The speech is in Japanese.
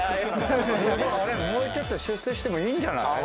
もうちょっと出世してもいいんじゃない？